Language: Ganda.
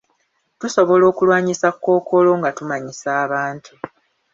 Tusobola okulwanyisa Kkookolo nga tumanyisa abantu.